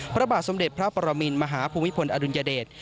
พระบาทสมเด็จพระปรมินมหาภูมิพลอดุลยเดช